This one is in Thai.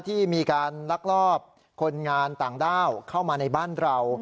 ที่มีการลักลอบคนงานต่างด้าวเข้ามาในบ้านเรา